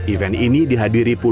event ini dihadiri pulau pulau